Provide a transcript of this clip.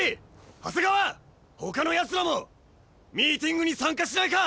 李長谷川ほかのやつらもミーティングに参加しないか！？